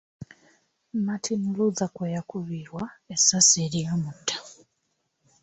Martin Luther kwe yakubirwa essasi eryamutta.